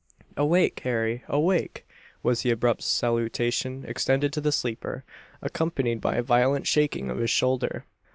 "Awake, Harry! awake!" was the abrupt salutation extended to the sleeper, accompanied by a violent shaking of his shoulder.